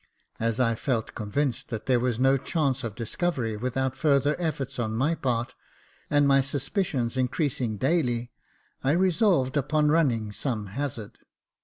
As I felt convinced that there was no chance of discovery without further efforts on my part, and my suspicions increasing daily, I resolved upon running some hazard.